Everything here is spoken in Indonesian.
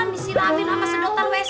disilapin sama sedotan wc